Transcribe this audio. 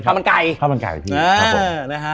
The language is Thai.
ข้าวมันไก่ครับพี่